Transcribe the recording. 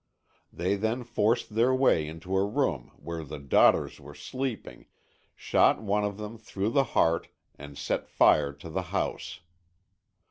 They then forced their way into a room where the daughters were sleeping, shot one of them through the heart, and set fire to the house.